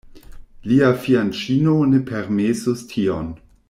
Lia fianĉino ne permesus tion.